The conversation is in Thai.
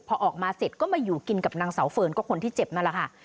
พอออกมาเสร็จก็มาอยู่กินกับนางเสาเฟิร์นก็คนที่เจ็บนั่นแหละค่ะ